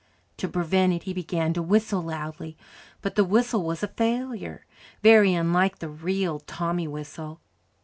To prevent it he began to whistle loudly. But the whistle was a failure, very unlike the real Tommy whistle.